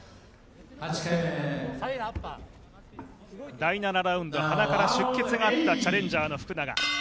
第７ラウンド、鼻から出血があったチャレンジャーの福永。